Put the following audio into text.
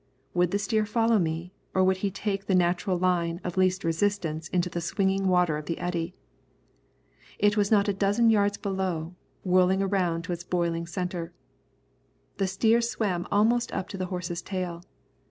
Would the steer follow me, or would he take the natural line of least resistance into the swinging water of the eddy? It was not a dozen yards below, whirling around to its boiling centre. The steer swam almost up to the horse's tail.